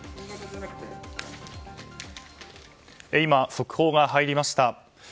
今、速報が入りました。